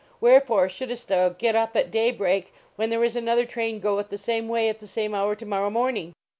Wherefore shouldcst thou get up at day break when there is another train gueth the same way at the same hour to morn*w morning?